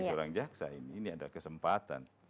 jadi orang orang jaksa ini ini adalah kesempatan